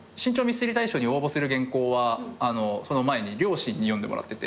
ミステリー大賞に応募する原稿はその前に両親に読んでもらってて。